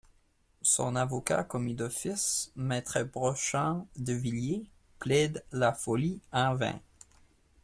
Son avocat commis d'office, Maitre Brochant de Villiers, plaide la folie, en vain.